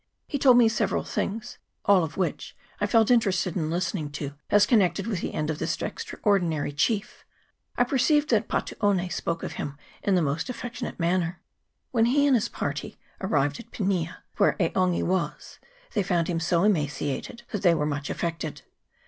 He told me several things, all of which I felt interested in listening to, as connected with the end of this extraordinary chief. I perceived that Patuone spoke of him in the most affectionate i manner. " When he and his party arrived at Pinia, where E' Ongi was, they found him so emaciated, that they were much affected.